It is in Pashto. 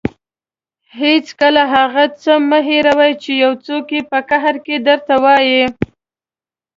هېڅکله هغه څه مه هېروه چې یو څوک یې په قهر کې درته وايي.